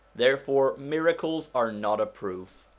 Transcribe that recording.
Therefore miracles are not a proof.